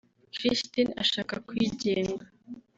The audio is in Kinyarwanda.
Christine ashaka kwigenga